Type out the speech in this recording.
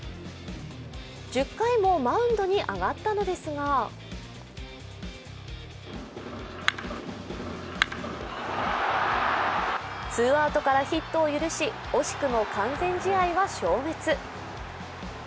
１０回もマウンドに上がったのですがツーアウトからヒットを許し惜しくも完全試合は消滅。